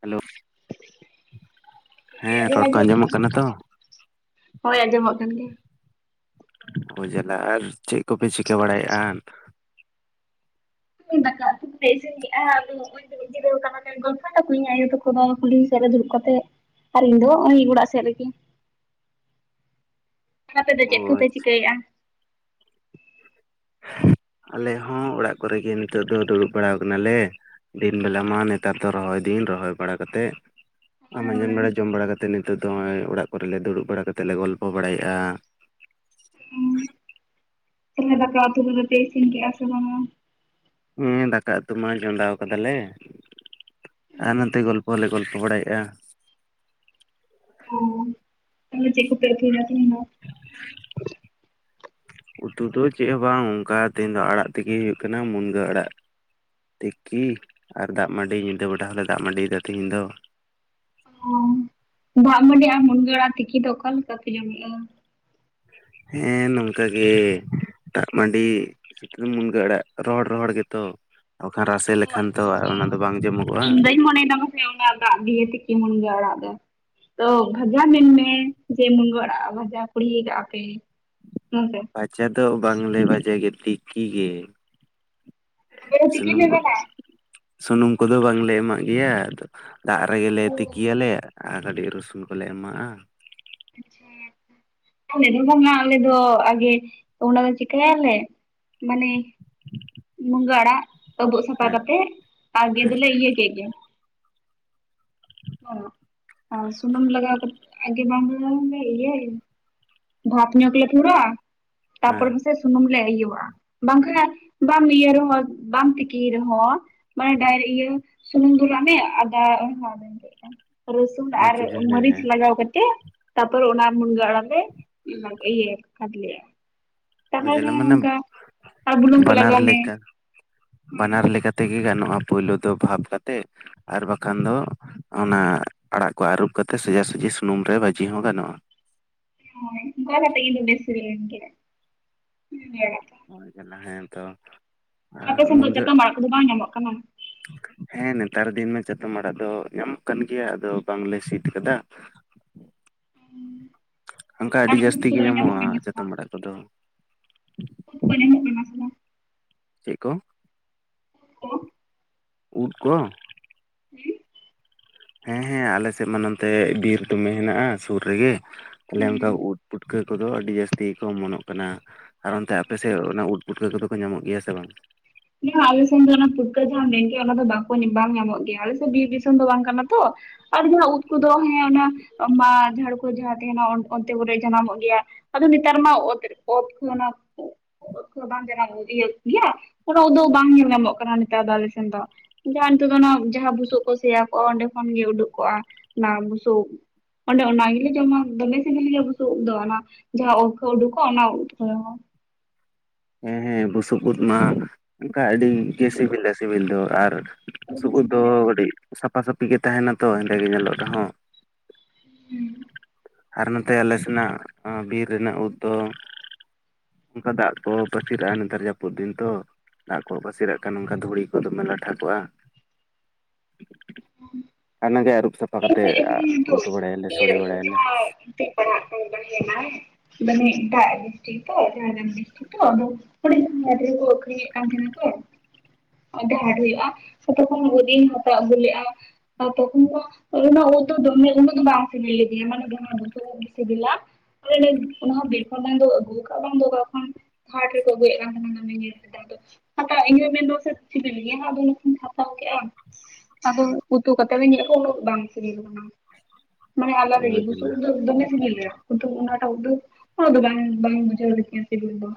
Hello. ᱴᱷᱤᱠ ᱜᱮᱭᱟ ᱦᱮᱸ ᱟᱞᱤᱧᱟᱜ ᱨᱚᱲ ᱠᱚ ᱟᱸᱡᱚᱢᱚᱜ ᱠᱟᱱᱟ ᱛᱚ ᱦᱳᱭ ᱟᱸᱡᱚᱢᱚᱜ ᱠᱟᱱ ᱜᱮᱭᱟ᱾ ᱳ ᱡᱟᱞᱟ ᱟᱨ ᱪᱮᱜ ᱠᱚᱯᱮ ᱪᱤᱠᱟᱹ ᱵᱟᱲᱟᱭᱮᱜ ᱟᱱ᱾ ᱫᱟᱠᱟ ᱩᱛᱩ ᱯᱮ ᱤᱥᱤᱱ ᱠᱮᱜ-ᱟ ᱟᱫᱚ ᱚᱸᱜ-ᱚᱭ ᱫᱩᱲᱩᱵ ᱡᱤᱨᱟᱹᱣ ᱠᱟᱱᱟ ᱞᱮ ᱜᱚᱞᱯᱷᱚᱭ ᱫᱟᱠᱩ ᱤᱧ ᱟᱭᱚ ᱛᱟᱠᱩ ᱫᱚ ᱠᱩᱞᱦᱤ ᱥᱮᱜ ᱨᱮ ᱫᱩᱨᱩᱵ ᱠᱟᱛᱮᱜ᱾ ᱟᱨ ᱤᱧ ᱫᱚ ᱚᱸᱜᱚᱭ ᱚᱲᱟᱜ ᱥᱮᱜ ᱨᱮᱜᱤ᱾ [inaudible] ᱟᱯᱮ ᱫᱚ ᱳ ᱪᱮᱫ ᱠᱚᱯᱮ ᱪᱤᱠᱟᱹᱭᱮᱜ-ᱟ? ᱟᱞᱮ ᱦᱚᱸ ᱚᱲᱟᱜ ᱠᱚᱨᱮ ᱜᱮ ᱱᱤᱛᱳᱜ ᱫᱚ ᱫᱩᱲᱩᱵ ᱵᱟᱲᱟᱣ ᱠᱟᱱᱟᱞᱮ᱾ ᱫᱤᱱ ᱵᱮᱞᱟ ᱢᱟ ᱱᱮᱛᱟᱨ ᱫᱚ ᱨᱚᱦᱚᱭ ᱫᱤᱱ ᱨᱚᱦᱚᱭ ᱵᱟᱲᱟ ᱠᱟᱛᱮᱜ᱾ ᱟ ᱢᱟᱸᱡᱟᱱ ᱵᱮᱲᱟ ᱡᱚᱢ ᱵᱟᱲᱟ ᱠᱟᱛᱮᱜ ᱱᱤᱛᱳᱜ ᱫᱚ ᱚᱸᱜ-ᱚᱭ ᱚᱲᱟᱜ ᱠᱚᱨᱮ ᱞᱮ ᱫᱩᱲᱩᱵ ᱵᱟᱲᱟ ᱠᱟᱛᱮ ᱞᱮ ᱜᱚᱞᱯᱚ ᱵᱟᱲᱟᱭᱮᱜ-ᱟ᱾ ᱩᱸ᱾ ᱛᱮᱦᱮᱧ ᱫᱟᱠᱟ ᱩᱛᱩ ᱠᱚᱫᱚ ᱯᱮ ᱤᱥᱤᱱ ᱠᱮᱜ-ᱟ ᱥᱮ ᱵᱟᱝᱟ? ᱦᱮᱸ ᱫᱟᱠᱟ ᱩᱛᱩ ᱢᱟ ᱪᱚᱸᱫᱟᱣ ᱠᱟᱫᱟᱞᱮ, ᱟᱨ ᱱᱚᱱᱛᱮ ᱜᱚᱞᱯᱚ ᱞᱮ ᱜᱚᱞᱯᱚ ᱵᱟᱲᱟᱭᱮᱜ-ᱟ᱾ ᱦᱳ ᱛᱟᱦᱞᱮ ᱪᱮᱜ ᱠᱚᱯᱮ ᱩᱛᱩᱭᱫᱟ ᱛᱤᱦᱤᱧ ᱫᱚ? [inaudible] ᱩᱛᱩ ᱫᱚ ᱪᱮᱜ ᱦᱚᱸ ᱵᱟᱝ ᱚᱝᱠᱟ ᱛᱮᱦᱮᱧ ᱫᱚ ᱟᱲᱟᱜ ᱛᱤᱠᱤ ᱦᱩᱭᱩᱜ ᱠᱟᱱᱟ ᱢᱩᱱᱜᱟᱹ ᱟᱲᱟᱜ᱾ ᱛᱤᱠᱤ ᱟᱨ ᱫᱟᱜ ᱢᱟᱰᱤ ᱧᱤᱫᱟᱹ ᱵᱮᱰᱟ ᱦᱚᱸᱞᱮ ᱫᱟᱜ ᱢᱟᱰᱤᱭᱫᱟ ᱛᱤᱦᱤᱧ ᱫᱚ᱾ ᱚ ᱫᱟᱜ ᱢᱟᱹᱰᱤ ᱟᱨ ᱢᱩᱱᱜᱟᱹ ᱟᱲᱟᱜ ᱛᱤᱠᱤ ᱫᱚ ᱚᱠᱟ ᱞᱮᱠᱟ ᱯᱮ ᱡᱚᱢᱮᱜ-ᱟ? ᱦᱮᱸ ᱱᱚᱝᱠᱟ ᱜᱤ ᱫᱟᱜ ᱢᱟᱰᱤ᱾ ᱢᱩᱱᱜᱟᱹ ᱟᱲᱟᱜ ᱨᱚᱦᱚᱲ ᱨᱚᱦᱚᱲ ᱜᱮᱛᱚ ᱵᱟᱠᱷᱟᱱ ᱨᱟᱥᱮ ᱞᱮᱠᱷᱟᱱ ᱛᱚ ᱚᱱᱟᱫᱚ ᱵᱟᱝ ᱡᱚᱢᱚᱜᱚᱜ-ᱟ᱾ ᱦᱮᱸ ᱚᱱᱟ ᱫᱟᱜ ᱫᱤᱭᱮ ᱛᱤᱠᱤ ᱢᱩᱱᱜᱟᱹ ᱟᱲᱟᱜ ᱫᱚ᱾ ᱛᱚ ᱵᱷᱟᱡᱟ ᱢᱮᱱᱢᱮ ᱡᱮ ᱢᱩᱱᱜᱟᱹ ᱟᱲᱟᱜ ᱵᱷᱟᱡᱟ ᱠᱩᱲᱦᱤ ᱠᱟᱜ-ᱟ ᱯᱮ᱾ ᱵᱟᱝ ᱥᱮ᱾ ᱵᱷᱟᱡᱟ ᱫᱚ ᱵᱟᱝᱞᱮ ᱵᱷᱟᱡᱟᱭ ᱜᱮᱭᱟ ᱛᱤᱠᱤ ᱜᱮ᱾ ᱟᱯᱮ ᱫᱚ ᱛᱤᱠᱤ ᱥᱩᱱᱩᱢ ᱯᱮ ᱠᱚ ᱵᱮᱱᱟᱣᱟ ᱥᱩᱱᱩᱢ ᱠᱚᱫᱚ ᱵᱟᱝᱞᱮ ᱮᱢᱟᱜ ᱜᱮᱭᱟ ᱟᱫᱚ᱾ ᱫᱟᱜ ᱨᱮᱜᱮᱞᱮ ᱚ ᱛᱤᱠᱤᱭᱟᱞᱮ ᱟᱨ ᱠᱟᱴᱤᱜ ᱨᱚᱥᱩᱱ ᱠᱚᱞᱮ ᱮᱢᱟᱜ-ᱟ᱾ ᱟᱪᱷᱟ᱾ ᱟᱞᱮ ᱫᱚ ᱵᱟᱝᱟ ᱟᱞᱮ ᱫᱚ ᱟᱜᱮ ᱚᱱᱟ ᱫᱚ ᱪᱤᱠᱟᱹᱭᱟᱞᱮ ᱢᱟᱱᱮ᱾ ᱢᱩᱝᱜᱟᱹ ᱟᱲᱟᱜ ᱟᱵᱩᱜ ᱥᱟᱯᱷᱟ ᱦᱮᱸ ᱠᱟᱛᱮᱜ ᱟᱜᱮ ᱦᱮᱸ ᱫᱚᱞᱮ ᱤᱭᱟᱹ ᱠᱮᱜ ᱜᱮ᱾ ᱟᱨ ᱥᱩᱱᱩᱢ ᱞᱟᱜᱟᱣ ᱠᱟᱛ ᱟᱜᱮ ᱵᱟᱝ ᱫᱚ ᱵᱟᱝ ᱞᱮ ᱤᱭᱟᱹᱭ ᱵᱷᱟᱯ ᱧᱚᱜ ᱞᱮ ᱛᱷᱚᱲᱟ ᱦᱮᱸ ᱛᱟᱯᱚᱨᱮ᱾ ᱥᱮ ᱥᱩᱱᱩᱢ ᱞᱮ ᱤᱭᱟᱹᱣ ᱟᱜ-ᱟ ᱵᱟᱝᱠᱷᱟ ᱵᱟᱢ ᱤᱭᱟᱹᱭ ᱨᱮᱦᱚᱸ ᱵᱟᱢ ᱛᱤᱠᱤᱭ ᱨᱮᱦᱚᱸ᱾ ᱢᱟᱱᱮ ᱰᱟᱭᱨᱮ ᱤᱭᱟᱹ ᱥᱩᱱᱩᱢ ᱫᱩᱞᱟᱜ ᱢᱮ ᱟᱫᱟ ᱢᱮᱥᱟ ᱟᱜ ᱢᱮ ᱱᱤᱛᱟᱹᱜ᱾ ᱨᱟᱹᱥᱩᱱ ᱟᱨ ᱟᱪᱪᱷᱟ ᱟᱪᱪᱷᱟ ᱦᱮᱸ ᱢᱟᱹᱨᱤᱪ ᱦᱮᱸ ᱞᱟᱜᱟᱣ ᱠᱟᱛᱮᱜ᱾ ᱛᱟᱯᱚᱨᱮ ᱚᱱᱟ ᱢᱩᱱᱜᱟᱹ ᱟᱲᱟᱜ ᱞᱮ ᱚᱱᱟ ᱜᱮ ᱤᱭᱟᱹᱭ-ᱟ ᱠᱷᱟᱫᱞᱮᱭᱟ᱾ ᱚ ᱡᱟᱞᱮ ᱢᱟᱱᱮ ᱟᱨ ᱵᱩᱞᱩᱝ ᱠᱚ ᱵᱟᱱᱟᱨ ᱞᱟᱜᱟᱣ ᱢᱮ ᱞᱮᱠᱟ᱾ ᱵᱟᱱᱟᱨ ᱞᱮᱠᱟ ᱛᱮᱜᱮ ᱜᱟᱱᱚᱜ-ᱟ ᱯᱳᱭᱞᱳ ᱫᱚ ᱵᱷᱟᱵᱽ ᱠᱟᱛᱮᱜ᱾ ᱟᱨ ᱵᱟᱠᱷᱟᱱ ᱫᱚ ᱚᱱᱟ ᱟᱲᱟᱜ ᱠᱚ ᱟᱨᱩᱵ ᱠᱟᱛᱮ ᱥᱚᱡᱟ-ᱥᱩᱡᱤ ᱥᱩᱱᱩᱢ ᱨᱮ ᱵᱷᱟᱡᱤ ᱦᱚᱸ ᱜᱟᱱᱚᱜ-ᱟ᱾ ᱦᱚᱭ ᱚᱝᱠᱟ ᱠᱟᱛᱮ ᱜᱮᱛᱚ ᱵᱮᱥᱨᱮ ᱮᱢ ᱜᱮᱭᱟᱭ᱾ [unintelligible] ᱦᱳᱭ ᱠᱟᱱᱟ ᱦᱮᱸ ᱛᱚ᱾ ᱟᱯᱮ ᱥᱮᱱ ᱫᱚ ᱢᱩᱱᱜᱟᱹ ᱪᱟᱛᱚᱢ ᱟᱲᱟᱜ ᱠᱚᱫᱚ ᱵᱟᱝ ᱧᱟᱢᱚᱜ ᱠᱟᱱᱟ? ᱦᱮᱸ ᱱᱮᱛᱟᱨ ᱫᱤᱱ ᱢᱟ ᱪᱟᱛᱚᱢ ᱟᱲᱟᱜ ᱫᱚ ᱧᱟᱢᱚᱜ ᱠᱟᱱ ᱜᱮᱭᱟ ᱟᱫᱚ ᱵᱟᱝᱞᱮ ᱥᱤᱫ ᱠᱟᱫᱟ᱾ ᱚᱝᱠᱟ ᱟᱨ ᱟᱰᱤ ᱩᱫ ᱡᱟᱥᱛᱤ ᱜᱮ ᱠᱚᱫᱚ ᱧᱟᱢᱚᱜ ᱧᱟᱢᱚᱜ-ᱟ ᱠᱟᱱᱟ ᱥᱮ ᱵᱟᱝ ᱪᱟᱛᱚᱢ ᱟᱲᱟᱜ ᱠᱚᱫᱚ᱾ ᱩᱫ ᱠᱚ ᱧᱟᱢᱚᱜ ᱠᱟᱱᱟ ᱥᱮ ᱵᱟᱝ᱾ ᱪᱮᱫ ᱠᱚ? ᱠᱚᱼᱼ ᱩᱫ ᱠᱚᱼᱼ ᱦᱩᱸ᱾ ᱦᱮᱸ ᱦᱮᱸ ᱟᱞᱮ ᱥᱮᱫ ᱢᱟ ᱱᱚᱛᱮ ᱵᱤᱨ ᱫᱚᱢᱮ ᱦᱮᱱᱟᱜᱼᱟ ᱥᱩᱨ ᱨᱮᱜᱮ ᱛᱟᱦᱞᱮ ᱚᱱᱠᱟ ᱦᱮᱸ ᱩᱫᱼᱼ ᱯᱩᱴᱠᱟᱹ ᱠᱚᱫᱚ ᱟᱹᱰᱤ ᱡᱟᱹᱥᱛᱤ ᱜᱮᱠᱚ ᱚᱢᱚᱱᱚᱜ ᱠᱟᱱᱟ ᱟᱨ ᱚᱱᱛᱮ ᱟᱯᱮ ᱥᱮᱫ ᱚᱱᱟ ᱩᱫ ᱯᱩᱴᱠᱟᱹ ᱠᱚᱫᱚ ᱠᱚ ᱧᱟᱢᱚᱜ ᱜᱮᱭᱟ ᱥᱮ ᱵᱟᱝ? ᱟᱞᱮ ᱥᱮᱱ ᱫᱚ ᱚᱱᱟ ᱯᱩᱴᱠᱟᱹ ᱡᱟᱦᱟᱸᱢ ᱢᱮᱱᱠᱮᱜ ᱚᱱᱟ ᱫᱚ ᱵᱟᱠᱚ ᱵᱟᱝ ᱧᱟᱢᱚᱜ ᱜᱮᱭᱟ ᱟᱞᱮᱥᱮᱫ ᱵᱤᱨ ᱫᱤᱥᱚᱢ ᱫᱚ ᱵᱟᱝ ᱠᱟᱱᱟ ᱛᱚ ᱾ ᱟᱨ ᱡᱟᱦᱟᱸ ᱩᱫ ᱠᱚᱫᱚ ᱦᱮᱸ ᱚᱱᱟ ᱢᱟ ᱡᱷᱟᱲ ᱠᱚ ᱡᱟᱦᱟᱸ ᱛᱟᱦᱮᱱᱟ ᱚᱱᱛᱮ ᱠᱚᱨᱮ ᱡᱟᱱᱟᱢᱚᱜ ᱜᱮᱭᱟ ᱾ ᱟᱫᱚ ᱱᱤᱛᱟᱨ ᱢᱟ ᱚᱛ ᱨᱮ ᱚᱛ ᱠᱷᱚᱱᱟᱜ ᱵᱟᱝ ᱡᱟᱱᱟᱢᱚᱜ-ᱟ ᱤᱭᱟᱹᱜ-ᱟ ᱦᱮ ᱵᱟᱝ? ᱚᱱᱟ ᱩᱫ ᱫᱚ ᱵᱟᱝ ᱧᱮᱞ ᱧᱟᱢᱚᱜ ᱠᱟᱱᱟ ᱱᱮᱛᱟᱨ ᱫᱚ ᱟᱞᱮ ᱥᱮᱱ ᱫᱚ ᱾ ᱡᱟᱦᱟᱸ ᱱᱤᱛᱚᱜ ᱫᱚ ᱚᱱᱟ ᱡᱟᱦᱟᱸ ᱵᱩᱥᱩᱵ ᱠᱚ ᱥᱮᱭᱟ ᱠᱚᱜ-ᱟ ᱚᱸᱰᱮ ᱠᱷᱚᱱᱜᱮ ᱩᱰᱩᱠ ᱠᱚᱜ-ᱟ ᱚᱱᱟ ᱵᱩᱥᱩᱵ ᱩᱫ ᱾ ᱚᱸᱰᱮ ᱚᱱᱟ ᱜᱮᱞᱮ ᱡᱚᱢᱟ ᱫᱚᱢᱮ ᱥᱤᱵᱤᱞ ᱜᱮᱭᱟ ᱵᱩᱥᱩᱵ ᱩᱵ ᱫᱚ ᱚᱱᱟ ᱾ ᱡᱟᱦᱟᱸ ᱚᱛ ᱠᱷᱚᱱ ᱩᱰᱩᱠᱚᱜ-ᱟ ᱚᱱᱟ ᱩᱫ ᱜᱮᱠᱚ ᱡᱚᱢᱟ ᱾ ᱦᱮᱸ ᱦᱮᱸ ᱵᱩᱥᱩᱵ ᱩᱫ ᱢᱟ ᱚᱱᱠᱟ ᱟᱹᱰᱤ ᱜᱮ ᱥᱤᱵᱤᱞᱟ ᱥᱤᱵᱤᱞ ᱫᱚ ᱟᱨ ᱫᱚᱢᱮ ᱴᱭᱠᱩᱡ ᱫᱚ ᱥᱤᱵᱤᱞᱟ ᱠᱟᱹᱴᱤᱡ ᱥᱟᱯᱷᱟ ᱥᱟᱹᱯᱤ ᱜᱮ ᱛᱟᱦᱮᱱᱟ ᱛᱚ ᱦᱮᱫᱮᱸ ᱜᱮ ᱧᱮᱞᱚᱜ ᱨᱮᱦᱚᱸ ᱾ ᱦᱮᱸ᱾ ᱟᱨ ᱱᱚᱛᱮ ᱟᱞᱮ ᱥᱮᱱᱟᱜ ᱵᱤᱨ ᱨᱮᱱᱟᱜ ᱩᱫ ᱫᱚ ᱚᱱᱠᱟ ᱫᱟᱜ ᱠᱚ ᱯᱟᱹᱥᱤᱨᱟᱜ-ᱟ ᱱᱮᱛᱟᱨ ᱡᱟᱹᱯᱩᱫ ᱫᱤᱱ ᱛᱚ ᱼᱼ ᱫᱟᱜ ᱠᱚ ᱯᱟᱹᱥᱤᱨᱟᱜ ᱠᱟᱱ ᱱᱚᱝᱠᱟ ᱫᱷᱩᱲᱤ ᱠᱚ ᱫᱚᱢᱮ ᱞᱟᱴᱷᱟᱠᱟᱜ-ᱟ ᱾ ᱦᱩᱸ ᱚᱱᱟᱜᱮ ᱟᱹᱨᱩᱵ ᱥᱟᱯᱷᱟ ᱠᱟᱛᱮ ᱩᱛᱩ ᱵᱟᱲᱟᱭᱟᱞᱮ ᱥᱳᱲᱮ ᱵᱟᱲᱟᱭᱟᱞᱮ ᱾ ᱡᱟᱦᱟᱸ [unintelligible] ᱢᱟᱱᱮ ᱮᱴᱟᱜ ᱰᱤᱥᱴᱤᱠ ᱠᱚ ᱡᱷᱟᱲᱜᱨᱟᱢ ᱰᱤᱥᱴᱤᱠ ᱾ [unintelligible] ᱦᱩᱰᱤᱧ ᱦᱟᱭᱵᱨᱤᱰ ᱠᱚ ᱠᱚ ᱟᱠᱷᱨᱤᱧ ᱮᱫ ᱛᱟᱦᱮᱱᱟ ᱥᱮ ᱾ ᱚᱱᱛᱮ ᱦᱟᱴ ᱦᱩᱭᱩᱜ-ᱟ ᱛᱚᱠᱷᱚᱱ ᱦᱩᱫᱤᱧ ᱦᱟᱛᱟᱣ ᱟᱹᱜᱩ ᱞᱮᱫ-ᱟ ᱟᱨ ᱛᱚᱠᱷᱚᱱ ᱫᱚ ᱚᱱᱟ ᱩᱫ ᱫᱚ ᱫᱚᱢᱮ ᱩᱱᱟᱜ ᱫᱚ ᱵᱟᱝ ᱥᱤᱵᱤᱞ ᱞᱤᱫᱤᱧᱟ ᱢᱟᱱᱮ ᱡᱟᱸᱦᱟ ᱵᱩᱥᱩᱵ ᱩᱫ ᱥᱤᱵᱤᱞᱟᱼᱼ ᱚᱱᱟ ᱦᱚᱸ ᱵᱤᱨ ᱠᱷᱚᱱ ᱵᱟᱝ ᱫᱚ ᱟᱹᱜᱩ ᱟᱠᱟᱫ ᱵᱟᱝ ᱫᱚ ᱚᱠᱟ ᱠᱷᱚᱱ᱾ ᱦᱟᱴ ᱨᱮᱠᱚ ᱟᱜᱩᱭᱮᱫ ᱛᱟᱸᱦᱮᱱᱟ [inaudible] [unintelligible] ᱦᱟᱛᱟᱣ ᱠᱮᱜᱟ ᱵᱟᱝ? ᱟᱫᱚ ᱩᱛᱩ ᱠᱟᱛᱮ ᱵᱤᱱ ᱧᱮᱞᱟ ᱩᱱᱟᱜ ᱫᱚ ᱵᱟᱝ᱾ ᱢᱟᱱᱮ ᱟᱞᱟᱫᱟ ᱜᱮ ᱳᱭ ᱵᱩᱥᱩᱵ ᱡᱟᱞᱟ ᱩᱫ ᱫᱚ ᱫᱚᱢᱮ ᱥᱤᱵᱤᱞ ᱜᱮᱭᱟ᱾ [unintelligible] ᱩᱱᱟ. ᱜ ᱫᱚ ᱵᱟᱝ ᱵᱟᱝ ᱵᱩᱡᱷᱟᱹᱣ ᱞᱤᱫᱤᱧᱟ ᱥᱤᱵᱤᱞ ᱫᱚᱼᱼ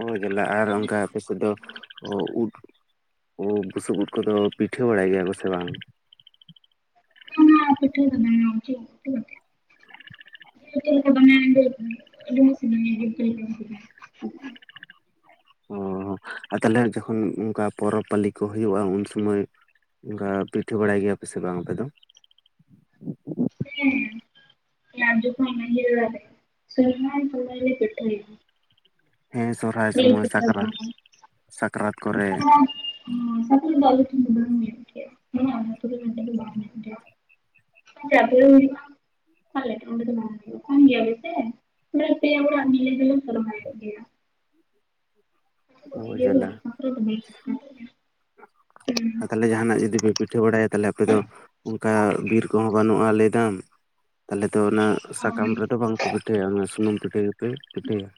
ᱚ ᱡᱟᱞᱟ ᱟᱨ ᱚᱱᱠᱟ ᱟᱯᱮ ᱥᱮᱫ ᱫᱚᱼᱼ ᱩᱫ ᱵᱩᱥᱩᱵ ᱩᱫ ᱠᱚᱫᱚ ᱯᱤᱴᱷᱟᱹ ᱵᱟᱲᱟᱭ ᱜᱮᱭᱟ ᱠᱚ ᱥᱮ ᱵᱟᱝ? ᱯᱤᱴᱷᱟᱹᱭ [inaudible] [unintelligible] ᱟᱰᱤ ᱢᱚᱡᱽ ᱥᱤᱵᱤᱞᱤᱧᱟ᱾ ᱚ ᱟᱨ ᱛᱟᱦᱞᱮ ᱡᱚᱠᱷᱚᱱ ᱚᱱᱠᱟ ᱯᱚᱨᱚᱵᱽ ᱯᱟᱹᱞᱤ ᱠᱚ ᱦᱩᱭᱩᱜᱼᱟ ᱩᱱ ᱥᱚᱢᱚᱭᱼᱼ ᱚᱱᱠᱟ ᱯᱤᱴᱷᱟᱹ ᱵᱟᱲᱟᱭ ᱜᱮᱭᱟ ᱯᱮ ᱥᱮ ᱵᱟᱝ ᱟᱯᱮ ᱫᱚ? ᱦᱮᱸ ᱡᱚᱠᱷᱚᱱ ᱤᱭ. ᱥᱚᱦᱚᱨᱟᱭ ᱠᱨᱮᱞᱮ ᱯᱤᱴᱷᱟᱭ ᱜᱮᱭᱟ. ᱾ ᱦᱮᱸ ᱥᱚᱨᱦᱟᱹᱭ ᱥᱚᱢᱚᱭ ᱫᱚ ᱥᱟᱠᱨᱟᱹᱛ ᱥᱟᱠᱨᱟᱹᱛ ᱠᱚᱨᱮᱼᱼ ᱥᱟᱠᱨᱟᱛ ᱥᱟᱠᱨᱟᱛ ᱨᱮ ᱫᱚ ᱟᱞᱮ ᱴᱷᱮᱱ ᱫᱚ ᱵᱟᱝ ᱞᱮ ᱯᱤᱴᱷᱟᱹᱭᱟ [inaudible] [unintelligible] ᱦᱩᱭᱩᱜᱼᱟ᱾ ᱟᱞᱮ ᱴᱷᱮᱱ ᱫᱚ ᱵᱟᱝ ᱦᱩᱭᱩᱜᱼᱟ ᱠᱚᱢ ᱜᱮᱭᱟ ᱞᱮ ᱥᱮ ᱯᱮᱭᱟ ᱚᱲᱟᱜ ᱱᱤᱭᱟ. ᱜᱮᱞᱮ ᱯᱟᱞᱚᱱ ᱠᱮᱫ ᱜᱮ᱾ [unintelligible] ᱡᱟᱞᱟ [inaudible] ᱜᱮᱭᱟ ᱟᱨ ᱛᱟᱦᱚᱞᱮ ᱡᱟᱦᱟᱱᱟᱜ ᱡᱩᱫᱤ ᱯᱮ ᱯᱤᱴᱷᱟᱹ ᱵᱟᱲᱟᱭᱟᱼ ᱛᱟᱦᱞᱮ ᱟᱯᱮ ᱫᱚ ᱚᱱᱠᱟ ᱵᱤᱨ ᱠᱚᱦᱚᱸ ᱵᱟᱹᱱᱩᱜᱼᱟ ᱞᱟᱹᱭ ᱫᱟᱢ᱾ ᱛᱟᱦᱚᱞᱮ ᱫᱚ ᱚᱱᱟ ᱥᱟᱠᱟᱢ ᱦᱳᱭ ᱨᱮᱫᱚ ᱵᱟᱝ ᱯᱮ ᱯᱤᱴᱷᱟᱹᱭᱟ, ᱚᱱᱟ ᱥᱩᱱᱩᱢ ᱯᱤᱴᱷᱟᱹ ᱜᱮᱯᱮ ᱯᱤᱴᱷᱟᱹᱭᱟ᱾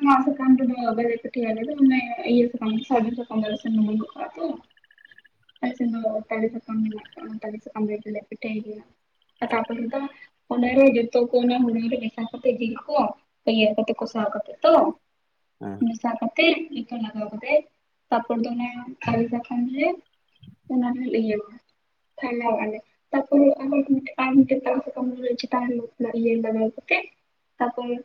ᱟᱱᱟ ᱥᱟᱠᱟᱢ ᱨᱮ ᱫᱚ ᱵᱟᱞᱮ ᱯᱤᱴᱷᱟᱹᱭᱟ ᱟᱞᱮ ᱫᱚ ᱢᱟᱱᱮ ᱤᱭᱟ. ᱥᱟᱠᱟᱢ ᱥᱟᱨᱡᱚᱢ ᱫᱟᱠᱟᱢ ᱫᱚ ᱟᱞᱮ ᱥᱮᱱ ᱫᱚ ᱵᱟᱱᱩᱜ ᱟᱠᱟᱫᱟ ᱛᱚ᱾ [inaudible] ᱟᱞᱮ ᱥᱮᱱ ᱫᱚ ᱴᱟᱞᱤ ᱥᱟᱠᱟᱢ ᱢᱮᱱᱟᱜ ᱟᱠᱟᱫᱟ ᱴᱟᱞᱤ ᱥᱟᱠᱟᱢ ᱨᱮᱫᱚ ᱞᱮ ᱯᱤᱴᱷᱟ. ᱭ ᱜᱮᱭᱟ, ᱟᱨ ᱛᱟᱨᱯᱚᱨᱮ ᱫᱚ᱾ ᱚᱱᱟᱨᱮ ᱡᱚᱛᱚ ᱠᱚ ᱚᱱᱟ ᱦᱚᱞᱚᱝ ᱨᱮ ᱢᱮᱥᱟ ᱠᱟᱛᱮᱜ ᱜᱮᱠ ᱠᱚ ᱤᱭᱟᱹ ᱠᱟᱛᱮ, ᱠᱚᱥᱟᱣ ᱠᱟᱛᱮ᱾ ᱛᱚ ᱦᱮᱸ ᱢᱮᱥᱟ ᱠᱟᱛᱮᱫ ᱾ ᱞᱤᱛ [unintelligible] ᱞᱟᱜᱟᱣ ᱠᱟᱛᱮᱫ ᱛᱟᱨᱯᱚᱨ ᱫᱚ ᱚᱱᱟ [unintelligible] ᱚᱱᱟ ᱦᱚᱸ ᱤᱭᱟ. [unintelligible] ᱟᱞᱮ᱾ ᱛᱟᱨ ᱯᱚᱨ ᱟᱨᱦᱚ [unintelligible] ᱤᱭᱟᱹ ᱞᱟᱜᱟᱣ ᱠᱟᱛᱮᱜ᱾ ᱛᱟᱯᱚᱨᱮ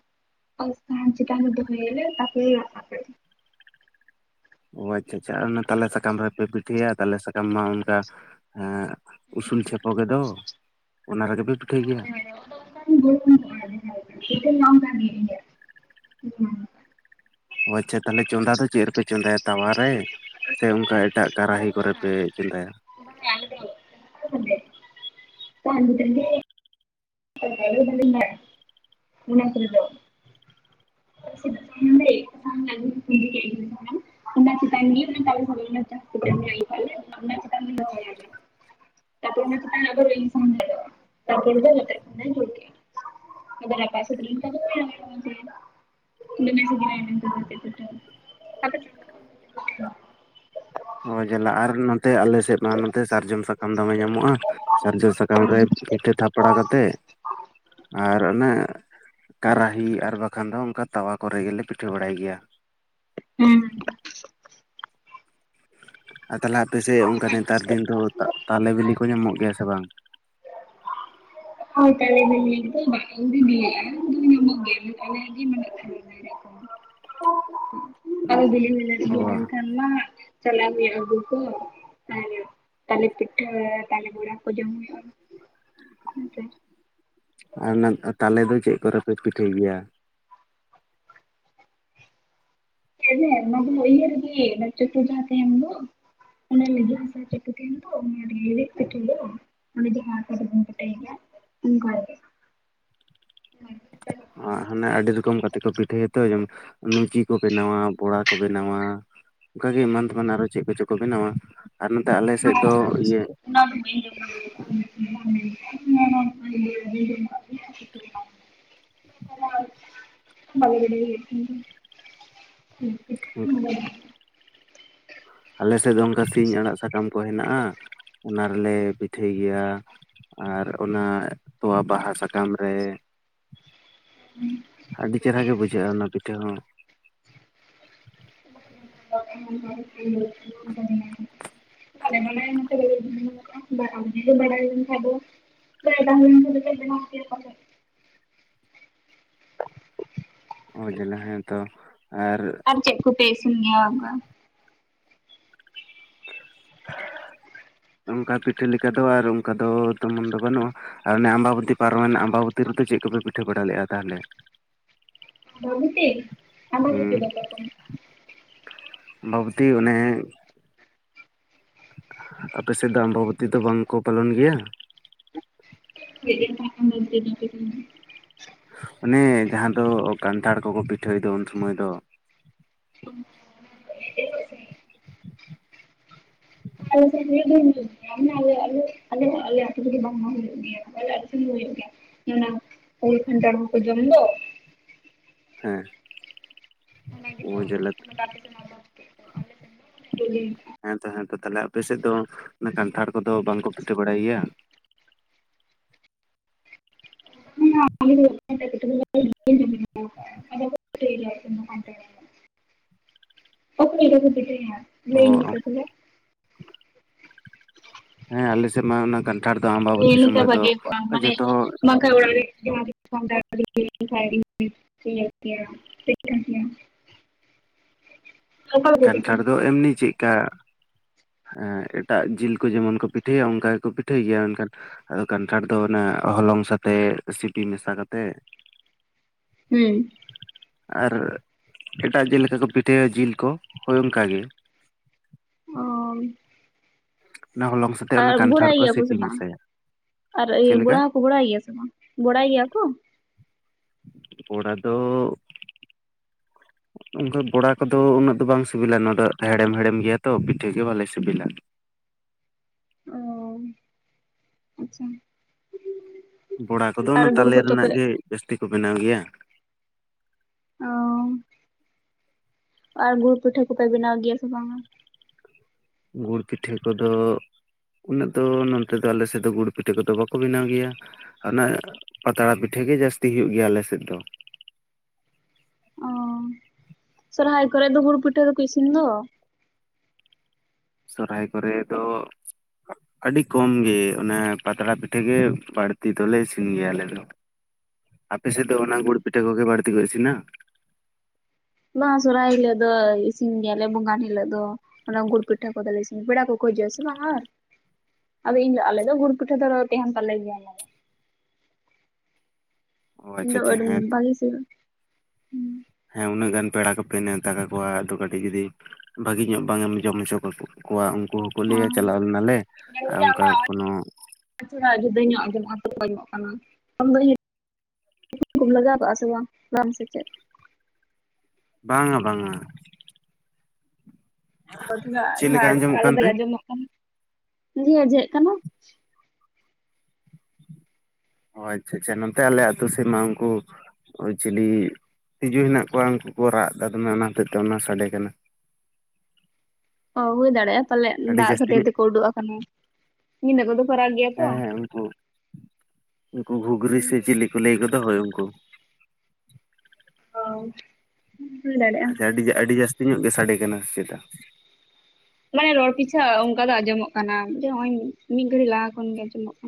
[unintelligible] ᱪᱮᱛᱟᱱᱨᱮ ᱫᱚᱦᱚᱭᱟᱞᱮ ᱛᱟᱯᱚᱨᱮ᱾ [unintelligible] ᱚ ᱟᱪᱪᱷᱟ ᱟᱪᱪᱷᱟ ᱟᱨ ᱚᱱᱟ ᱛᱟᱞᱮ ᱥᱟᱠᱟᱢ ᱨᱮᱯᱮ ᱯᱤᱴᱷᱟ. ᱭᱟ ᱛᱟᱞᱮ ᱥᱟᱠᱟᱢ ᱢᱟ ᱚᱱᱠᱟᱸ ᱩᱥᱩᱞ ᱪᱷᱮᱯᱚ ᱜᱮ ᱫᱚ ᱚᱱᱟ ᱨᱮᱜᱮ ᱯᱮ ᱯᱤᱴᱷᱟᱹᱭ ᱜᱮᱭᱟ? ᱦᱮ ᱟᱫᱚ ᱟᱝᱠᱟ [unintelligible] ᱜᱤ [unintelligible] ᱚ ᱟᱪᱪᱷᱟ ᱛᱟᱦᱚᱞᱮ ᱪᱚᱸᱫᱟ ᱫᱚ ᱪᱮᱫ ᱨᱮᱯᱮ ᱪᱚᱸᱫᱟᱭᱟ ᱛᱟᱣᱟᱨ ᱨᱮ? ᱥᱮ ᱚᱱᱠᱟ ᱮᱴᱟᱜ ᱠᱟᱨᱟᱦᱤ ᱠᱚᱨᱮ ᱯᱮ ᱪᱚᱸᱫᱟᱭᱟ? ᱦᱮᱸ ᱟᱞᱮ ᱫᱚ᱾ [unintelligible] [unintelligible] ᱚᱱᱟ ᱠᱚᱨᱮ ᱫᱚ᱾ ᱪᱮᱫ᱾ [unintelligible] [inaudible] [unintelligible] ᱛᱟᱯᱚᱨ ᱟᱱᱟ ᱪᱮᱛᱟᱱ ᱨᱮ ᱟᱵᱟᱨ ᱤᱧ [unintelligible] ᱦᱩᱭᱩ-ᱟ᱾ ᱛᱟᱯᱚᱨ ᱫᱚ [unintelligible] ᱟᱫᱚ ᱨᱟᱯᱟᱜ ᱥᱟᱛ ᱞᱮᱱ ᱠᱷᱟᱡ ᱫᱚᱻ [unintelligible] ᱚ ᱡᱟᱞᱟ ᱟᱨ ᱱᱚᱛᱮ ᱟᱞᱮ ᱥᱮᱫ ᱢᱟ ᱱᱚᱛᱮ ᱥᱟᱨᱡᱚᱢ ᱥᱟᱠᱟᱢ ᱫᱚᱢᱮ ᱧᱟᱢᱚᱜᱼᱟ ᱾ ᱥᱟᱨᱡᱚᱢ ᱥᱟᱠᱟᱢ ᱨᱮ ᱫᱚ ᱯᱤᱴᱷᱟᱹ ᱛᱷᱟᱯᱲᱟ ᱠᱟᱛᱮᱜ, ᱟᱨ ᱚᱱᱮ ᱠᱟᱨᱟᱦᱤ ᱟᱨ ᱵᱟᱠᱷᱟᱱ ᱫᱚ ᱚᱱᱠᱟ ᱛᱟᱣᱟ ᱠᱚᱨᱮ ᱜᱮᱞᱮ ᱯᱤᱴᱷᱟᱹ ᱵᱟᱲᱟᱭ ᱜᱮᱭᱟ᱾ ᱦᱩᱸᱻ ᱟᱨ ᱛᱟᱦᱮᱞᱮ ᱟᱯᱮ ᱥᱮᱫ ᱚᱱᱠᱟ ᱱᱮᱛᱟᱨ ᱫᱤᱱ ᱫᱚ ᱛᱟᱞᱮ ᱵᱤᱞᱤ ᱠᱚ ᱧᱟᱢᱚᱜ ᱜᱮᱭᱟ ᱥᱮ ᱵᱟᱝ? ᱦᱳᱭ ᱛᱟᱹᱞᱤ ᱵᱤᱞᱤ ᱦᱚᱭ ᱢᱟᱛᱠᱚᱢ ᱵᱤᱞᱤ᱾ [unintelligible] [unintelligible] [inaudible] ᱟᱨ ᱵᱤᱞᱤ ᱦᱩᱭ ᱞᱮᱱ ᱚ ᱜᱮ ᱟᱨ ᱠᱷᱟᱱ ᱢᱟ ᱪᱟᱞᱟᱣ ᱦᱩᱭᱩᱜᱼᱟ ᱟᱹᱜᱩ ᱠᱚ [unintelligible] ᱛᱟᱹᱞᱤ ᱯᱤᱴᱷᱟᱹ ᱛᱟᱹᱞᱤ ᱵᱚᱲᱟ ᱠᱚ ᱡᱚᱢ ᱦᱩᱭᱩᱜᱼᱟ᱾ [unintelligible] ᱟᱨ ᱚᱱᱟ ᱛᱟᱞᱮ ᱫᱚ ᱪᱮᱫ ᱠᱚᱨᱮᱯᱮ ᱯᱤᱴᱷᱟᱹᱭ ᱜᱮᱭᱟ? ᱮ ᱦᱮᱸ ᱚᱱᱟᱫᱚ ᱤᱭᱟ ᱨᱮᱜᱤ ᱚᱱᱟ ᱚᱱᱟ ᱪᱟᱴᱩ ᱡᱟᱦᱟᱸ ᱛᱟᱦᱮᱱ ᱫᱚ᱾ ᱚᱱᱟ ᱞᱟᱹᱜᱤᱫ [unintelligible] ᱠᱚ ᱛᱟᱦᱮᱱᱟ ᱛᱚ ᱚᱱᱟ ᱨᱮᱜᱤ [unintelligible] ᱫᱚ᱾ ᱚᱱᱮ ᱡᱟᱦᱟᱸ ᱟᱠᱟ ᱫᱚᱵᱚᱱ ᱵᱟᱰᱟᱭ ᱜᱮᱭᱟ ᱤᱱᱠᱟ ᱜᱮ᱾ [inaudible] ᱟᱨ ᱦᱟᱱᱮ ᱟᱹᱰᱤ ᱨᱚᱠᱚᱢ ᱜᱟᱛᱮ ᱠᱚ ᱯᱤᱴᱷᱟᱹᱭᱟ ᱛᱚ ᱞᱩᱪᱤ ᱠᱚ ᱵᱮᱱᱟᱣᱟ ᱵᱚᱲᱟ ᱠᱚ ᱵᱮᱱᱟᱣᱟ᱾ ᱚᱱᱠᱟᱜᱮ ᱮᱢᱟᱱ ᱛᱮᱢᱟᱱ ᱟᱨᱚ ᱪᱮᱫ ᱠᱚᱪᱚ ᱠᱚ ᱵᱮᱱᱟᱣᱟ ᱟᱨ ᱱᱚᱛᱮ ᱟᱞᱮᱥᱮᱫ ᱫᱚ ᱤᱭᱟᱹ ᱚᱱᱟ ᱫᱚ᱾ [unintelligible] [unintelligible] [unintelligible] ᱟᱞᱮ ᱥᱮᱫ ᱫᱚ ᱚᱱᱠᱟ ᱥᱤᱧ ᱟᱲᱟᱜ ᱥᱟᱠᱟᱢ ᱠᱚ ᱦᱮᱱᱟᱜᱼᱟ ᱚᱱᱟ ᱨᱮᱞᱮ ᱯᱤᱴᱷᱟᱹᱭ ᱜᱮᱭᱟ᱾ ᱟᱨ ᱚᱱᱟ ᱛᱚᱣᱟ ᱵᱟᱦᱟ ᱥᱟᱠᱟᱢ ᱨᱮ ᱦᱩᱸ᱾ ᱟᱹᱰᱤ ᱪᱮᱨᱦᱟ ᱜᱮ ᱵᱩᱡᱷᱟᱹᱜᱼᱟ ᱚᱱᱟ ᱯᱤᱴᱷᱟᱹ ᱦᱚᱸ᱾ [unintelligible] [unintelligible] [unintelligible] ᱚᱻ ᱡᱟᱞᱟ ᱦᱮᱸ ᱛᱚ ᱟᱨ ᱪᱮᱫ ᱠᱚᱯᱮ ᱤᱥᱤᱱ ᱜᱮᱭᱟ ᱚᱱᱠᱟ? [inaudible] ᱚᱱᱠᱟ ᱯᱤᱴᱷᱟᱹ ᱞᱮᱠᱟ ᱫᱚ ᱟᱨ ᱚᱱᱠᱟ ᱫᱚ ᱛᱮᱢᱚᱱ ᱫᱚ ᱵᱟᱹᱱᱩᱜᱼᱟ ᱟᱨ ᱚᱱᱮ ᱟᱢᱵᱟᱵᱚᱛᱤ ᱯᱟᱨᱚᱢᱮᱱ ᱟᱢᱵᱟᱵᱚᱛᱤ ᱨᱮᱫᱚ ᱪᱮᱫ ᱠᱚᱯᱮ ᱯᱤᱴᱷᱟᱹ ᱵᱟᱲᱟ ᱞᱮᱫᱼᱟ ᱛᱟᱦᱚᱞᱮ? [unintelligible] ᱦᱮᱸ ᱫᱟᱠᱟ ᱠᱚ ᱟᱢᱵᱟᱵᱚᱛᱤ ᱚᱱᱮ ᱟᱯᱮ ᱥᱮᱫ ᱫᱚ ᱟᱢᱵᱟᱵᱚᱛᱤ ᱫᱚ ᱵᱟᱝᱠᱚ ᱯᱟᱞᱚᱱ ᱜᱮᱭᱟ? [unintelligible] ᱚᱱᱮ ᱡᱟᱦᱟᱸ ᱫᱚ ᱠᱟᱱᱴᱷᱟᱲ ᱠᱚᱠᱚ ᱯᱤᱴᱷᱟᱹᱭ ᱫᱚ ᱩᱱ ᱥᱚᱢᱚᱭ ᱫᱚ᱾ ᱴᱷᱤᱠ᱾ [unintelligible] ᱟᱞᱮ ᱢᱟ ᱟᱞᱮ [unintelligible] ᱟᱹᱛᱩ ᱨᱮᱜᱮ ᱵᱟᱝᱢᱟ ᱦᱩᱭᱩᱜ ᱜᱮᱭᱟ ᱟᱨ ᱦᱩᱭᱩᱜ ᱜᱮᱭᱟ᱾ ᱚᱱᱟ ᱩᱞ ᱠᱷᱟᱱᱴᱟᱲ ᱠᱚᱠᱚ ᱡᱚᱢ ᱫᱚ᱾ ᱦᱮᱸ᱾ ᱚᱱᱟ ᱜᱮᱛᱚ ᱩᱡᱽᱞᱟ [unintelligible] ᱦᱮᱸ ᱛᱚ ᱦᱮᱸ ᱛᱚ ᱛᱟᱦᱚᱞᱮ ᱟᱯᱮᱥᱮᱫ ᱫᱚ ᱠᱟᱱᱛᱷᱟᱲ ᱠᱚᱫᱚ ᱵᱟᱝᱠᱚ ᱯᱤᱴᱷᱟᱹ ᱵᱟᱲᱟᱭ ᱜᱮᱭᱟ? [unintelligible] [unintelligible] ᱚᱠᱟ ᱞᱮᱠᱟ ᱠᱩ [unintelligible] ᱚ ᱞᱟᱹᱭᱟᱹᱧ ᱢᱮᱥᱮ ᱛᱟᱦᱚᱞᱮ᱾ ᱦᱮᱸ ᱟᱞᱮᱥᱮᱫ ᱢᱟ ᱚᱱᱟ ᱠᱟᱱ ᱞᱟᱹᱭ ᱞᱮᱠᱷᱠᱟ ᱵᱟᱜᱮ ᱠᱚᱜ-ᱟ ᱢᱟᱱᱮ ᱵᱟᱝᱠᱷᱟ ᱚᱲᱟᱜ ᱨᱮ [unintelligible] ᱠᱟᱱᱴᱷᱟᱲ ᱫᱚ ᱮᱢᱱᱤ ᱪᱮᱫᱠᱟ ᱦᱮᱸ ᱮᱴᱟᱜ ᱡᱤᱞ ᱠᱚ ᱡᱮᱢᱚᱱ ᱠᱚ ᱯᱤᱴᱷᱟᱹᱭᱟ ᱚᱱᱠᱟ ᱜᱮᱠᱚ ᱯᱤᱴᱷᱟᱹᱭ ᱜᱮᱭᱟ ᱢᱮᱱᱠᱷᱟᱱ- ᱠᱟᱱᱴᱷᱟᱲ ᱫᱚ ᱚᱱᱟ ᱦᱚᱞᱚᱝ ᱥᱟᱛᱮᱜ ᱥᱤᱯᱤ ᱢᱮᱥᱟ ᱠᱟᱛᱮᱜ ᱦᱩᱸ᱾ ᱟᱨ ᱮᱴᱟᱜ ᱡᱮᱞᱮᱠᱟ ᱠᱚ ᱯᱤᱴᱷᱟᱹᱭᱟ ᱡᱤᱞ ᱠᱚ ᱦᱳᱭ ᱚᱱᱠᱟ ᱜᱮ᱾ ᱚᱻ ᱱᱟ ᱚᱞᱚᱜ [unintelligible] ᱟᱨ ᱵᱚᱲᱟᱭ ᱜᱮᱭᱟ ᱠᱚ ᱥᱮ ᱵᱟᱝ? ᱟᱨ ᱤᱭᱟᱹ ᱪᱮᱫ ᱞᱮᱠᱟ ᱵᱚᱲᱟ ᱦᱚᱸᱠᱚ ᱜᱷᱚᱲᱟᱭ ᱜᱮᱭᱟ ᱥᱮ ᱵᱟᱝ ᱵᱚᱲᱟᱭ ᱜᱮᱭᱟ ᱠᱚ? ᱵᱚᱲᱟ ᱫᱚ ᱚᱱᱠᱟ ᱵᱚᱲᱟ ᱠᱚᱫᱚ ᱩᱱᱟᱹᱜ ᱫᱚ ᱵᱟᱝ ᱥᱤᱵᱤᱞᱟ ᱱᱚᱣᱟ ᱫᱚ ᱦᱮᱲᱮᱢ ᱦᱮᱲᱮᱢ ᱜᱮᱭᱟ ᱛᱚ ᱯᱤᱴᱷᱟᱹ ᱜᱮ ᱵᱷᱟᱞᱮ ᱥᱤᱵᱤᱞᱟ᱾ ᱚᱻ ᱟᱪᱪᱷᱟ [inaudible] ᱵᱚᱲᱟ ᱠᱚᱫᱚ ᱟᱨ ᱚᱱᱟ ᱜᱩᱲ ᱛᱟᱞᱮ ᱠᱚᱫᱚ ᱨᱮᱱᱟᱜ ᱯᱮ ᱜᱮ ᱡᱟᱹᱥᱛᱤ ᱠᱚ ᱵᱮᱱᱟᱣ ᱜᱮᱭᱟ᱾ ᱚᱻ ᱟᱨ ᱜᱩᱲ ᱯᱤᱴᱷᱟᱹ ᱠᱚᱯᱮ ᱵᱮᱱᱟᱣ ᱜᱮᱭᱟ ᱥᱮ ᱵᱟᱝᱟ? ᱜᱩᱲ ᱯᱤᱴᱷᱟᱹ ᱠᱚᱫᱚ ᱩᱱᱟᱹᱜ ᱫᱚ ᱱᱚᱱᱛᱮ ᱫᱚ ᱟᱞᱮ ᱥᱮᱫ ᱫᱚ ᱜᱩᱲ ᱯᱤᱴᱷᱟᱹ ᱠᱚᱫᱚ ᱵᱟᱠᱚ ᱵᱮᱱᱟᱣ ᱜᱮᱭᱟ᱾ ᱦᱟᱱᱟ ᱯᱟᱛᱲᱟ ᱯᱤᱴᱷᱟᱹ ᱜᱮ ᱡᱟᱹᱥᱛᱤ ᱦᱩᱭᱩᱜ ᱜᱮᱭᱟ ᱟᱞᱮ ᱥᱮᱫ ᱫᱚ ᱾ ᱚ, ᱥᱚᱨᱦᱟᱭ ᱠᱚᱨᱮ ᱫᱚ ᱜᱩᱲ ᱯᱤᱴᱟᱹ ᱫᱚᱠᱚ ᱤᱥᱤᱱ ᱫᱚ ᱾ ᱥᱚᱨᱦᱟᱭ ᱠᱚᱨᱮ ᱫᱚ ᱟᱹᱰᱤ ᱠᱚᱢ ᱜᱮ ᱚᱱᱟ ᱯᱟᱛᱲᱟ ᱯᱤᱴᱷᱟᱹ ᱜᱮ ᱵᱟᱹᱲᱛᱤ ᱫᱚᱞᱮ ᱤᱥᱤᱱ ᱜᱮᱭᱟ ᱟᱞᱮ ᱫᱚ ᱾ ᱟᱯᱮ ᱥᱮ ᱫᱚ ᱚᱱᱟ ᱜᱩᱲ ᱯᱤᱴᱷᱟᱹ ᱠᱚᱜᱮ ᱵᱟᱹᱲᱛᱤ ᱠᱚ ᱤᱥᱤᱱᱟ? ᱱᱚᱣᱟ ᱥᱚᱨᱦᱟᱭ ᱦᱤᱞᱳᱜ ᱫᱚ ᱤᱥᱤᱱ ᱜᱮᱭᱟ ᱞᱮ ᱵᱚᱸᱜᱟᱱ ᱦᱤᱞᱳᱜ ᱫᱚ ᱾ ᱚᱱᱟ ᱜᱩᱲ ᱯᱤᱴᱷᱟᱹ ᱠᱚᱫᱚ ᱞᱮ ᱤᱥᱤᱱᱟ ᱯᱮᱲᱟ ᱠᱚ ᱠᱚ ᱦᱤᱡᱩᱜᱼᱟ ᱥᱮ ᱵᱟᱝ ᱟᱨ ᱾ ᱟᱫᱚ ᱤᱧ ᱫᱚ ᱟᱞᱮ ᱫᱚ ᱜᱩᱲ ᱯᱤᱴᱷᱟᱹ ᱫᱚ ᱛᱟᱦᱮᱱ ᱛᱟᱞᱮ ᱜᱮᱭᱟ ᱚᱱᱟ ᱫᱚ ᱾ ᱚ ᱤᱧ ᱟᱪᱪᱷᱟ ᱫᱚ ᱟᱪᱪᱷᱟ ᱟᱹᱰᱤ ᱦᱮᱸ [unintelligible] ᱛᱚ ᱵᱷᱟᱹᱜᱮ ᱥᱮᱼᱟ ᱩᱸ ᱦᱮᱸ ᱩᱱᱟᱹᱜ ᱜᱟᱱ ᱯᱮᱲᱟ ᱠᱚᱯᱮ ᱱᱮᱣᱛᱟ ᱠᱟᱠᱚᱣᱟ ᱟᱫᱚ ᱠᱟᱹᱴᱤᱡ ᱡᱩᱫᱤ ᱵᱷᱟᱹᱜᱮ ᱧᱚᱜ ᱵᱟᱝ ᱮᱢ ᱡᱚᱢ ᱦᱚᱪᱚ ᱠᱚ ᱠᱚᱣᱟ ᱩᱱᱠᱩ ᱯᱩᱞᱤᱭᱟᱹ ᱪᱟᱞᱟᱣ ᱞᱮᱱᱟ ᱞᱮ ᱦᱮᱸ ᱟᱨ ᱚᱱᱠᱟ ᱠᱳᱱᱚ [unintelligible] ᱡᱩᱫᱟᱹ ᱧᱚᱜ ᱟᱸᱡᱚᱢᱚᱜ-ᱟ [unintelligible] ᱠᱟᱱᱟ ᱩᱱ ᱦᱤᱞᱳᱜ [unintelligible] [unintelligible] ᱠᱚᱢ ᱞᱟᱜᱟᱣ ᱠᱟᱜᱼᱟ ᱥᱮ ᱵᱟᱝ ᱵᱟᱝ ᱥᱮ ᱪᱮᱫ? ᱵᱟᱝᱟ ᱵᱟᱝᱟ ᱾ ᱟᱹᱵᱤᱱᱟᱜ ᱪᱮᱫ ᱞᱮᱠᱟ ᱟᱹᱵᱤᱱᱟᱜ ᱟᱸᱡᱚᱢᱚᱜ ᱟᱞᱟᱫᱟ ᱠᱟᱱᱛᱮ ᱟᱸᱡᱚᱢᱚᱜ ᱠᱟᱱᱟ, ᱡᱷᱮᱸ ᱡᱷᱮᱸᱜ ᱠᱟᱱᱟ ᱾ ᱚ ᱟᱪᱪᱷᱟ ᱟᱪᱪᱷᱟ, ᱱᱚᱱᱛᱮ ᱟᱞᱮ ᱟ ᱟᱹᱛᱩ ᱥᱮᱫᱢᱟ ᱩᱱᱠᱩ ᱚ ᱪᱤᱞᱤ ᱛᱤᱡᱩ ᱦᱮᱱᱟᱜ ᱠᱚᱣᱟ ᱩᱱᱠᱩ ᱠᱚ ᱨᱟᱜ ᱮᱫᱟ ᱫᱚᱢᱮ ᱚᱱᱟ ᱦᱚᱛᱮᱡ ᱛᱮ ᱚᱱᱟ ᱥᱟᱰᱮ ᱠᱟᱱᱟ ᱾ ᱚ ᱦᱩᱭ ᱫᱟᱲᱮᱜ-ᱟ ᱾ ᱯᱟᱞᱮᱜ ᱟᱹᱰᱤ ᱫᱟᱜ ᱡᱟᱹᱥᱛᱤ ᱠᱷᱟᱹᱛᱤᱨ ᱧᱚᱜ ᱛᱮᱠᱚ ᱩᱰᱩᱠ ᱟᱠᱟᱱᱟ ᱧᱤᱫᱟᱹ ᱠᱚᱫᱚ ᱠᱚ ᱨᱟᱜ ᱜᱮᱭᱟ ᱛᱚ ᱦᱮᱸ ᱾ ᱦᱮᱸ ᱩᱱᱠᱩ ᱩᱱᱠᱩ ᱜᱷᱩᱜᱽᱨᱤ ᱥᱮ ᱪᱤᱞᱤ ᱠᱚ ᱞᱟᱹᱭ ᱠᱚᱫᱟ ᱦᱳᱭ ᱩᱱᱠᱩ ᱾ ᱦᱳᱭ ᱾ ᱦᱩᱭ ᱫᱟᱲᱮᱜ-ᱟ ᱾ [unintelligible] ᱟᱪᱪᱷᱟ ᱟᱹᱰᱤ ᱟᱹᱰᱤ ᱡᱟᱹᱥᱛᱤ ᱧᱚᱜ ᱜᱮ ᱥᱟᱰᱮ ᱠᱟᱱᱟ ᱥᱮ ᱪᱮᱛᱟ? ᱵᱟᱲᱟᱭ ᱨᱚᱲ ᱯᱤᱪᱷᱟ ᱚᱱᱠᱟ ᱫᱚ ᱟᱸᱡᱚᱢᱚᱜ ᱠᱟᱱᱟ ᱟᱫᱚ ᱱᱚᱜ-ᱚᱭ ᱢᱤᱫ ᱜᱷᱟᱹᱲᱤᱡ ᱞᱟᱦᱟ ᱠᱷᱚᱱ ᱜᱮ ᱟᱸᱡᱚᱢᱚᱜ ᱠᱟᱱᱟ ᱾